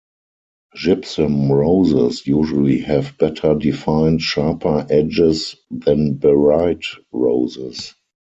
Gypsum roses usually have better defined, sharper edges than baryte roses.